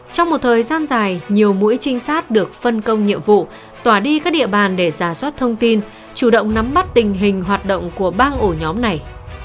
trong một thời gian dài nhiều mũi trinh sát được phân công nhiệm vụ tỏa đi các địa bàn để giả soát thông tin chủ động nắm mắt tình hình hoạt động của bang ổ nhóm này